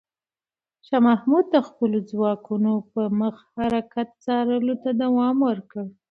شاه محمود د خپلو ځواکونو پر مخ حرکت څارلو ته دوام ورکړ.